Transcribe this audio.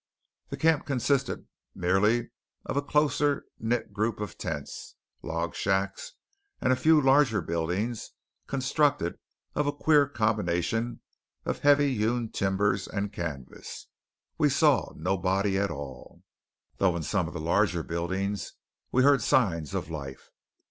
The camp consisted merely of a closer knit group of tents, log shacks, and a few larger buildings constructed of a queer combination of heavy hewn timbers and canvas. We saw nobody at all, though in some of the larger buildings we heard signs of life.